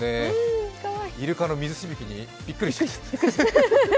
イルカの水しぶきにびっくりしちゃった。